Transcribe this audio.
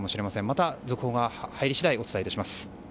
また、続報が入り次第お伝えします。